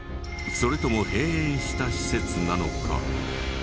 それとも閉園した施設なのか？